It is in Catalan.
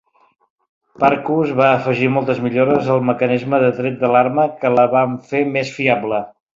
Parkhurst va afegir moltes millores al mecanisme de tret de l'arma que la van fer més fiable.